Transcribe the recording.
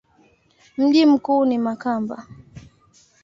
Mji mkuu ni Makamba.